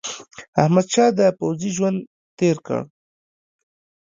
احمدشاه د پوځي ژوند تېر کړ.